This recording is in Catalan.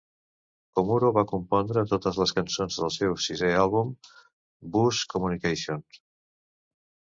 Komuro va compondre totes les cançons del seu sisè àlbum Buzz Communication.